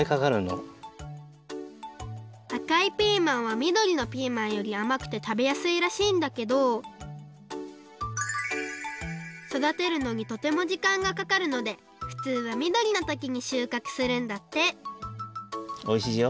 あかいピーマンはみどりのピーマンよりあまくてたべやすいらしいんだけどそだてるのにとてもじかんがかかるのでふつうはみどりのときにしゅうかくするんだっておいしいよ。